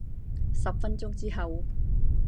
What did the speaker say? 十分鐘之後